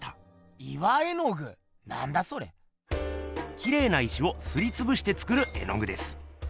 きれいな石をすりつぶして作る絵のぐです。